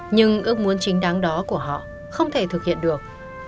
nhưng ước muốn chính đáng đó của họ không thể thực hiện được